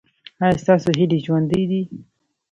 ایا ستاسو هیلې ژوندۍ دي؟